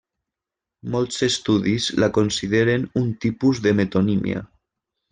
Molts estudis la consideren un tipus de metonímia.